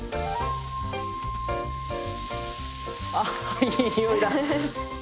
ああいい匂いだ！